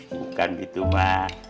bukan gitu ma